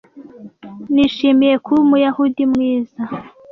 nishimiye kuba umuyahudi mwiza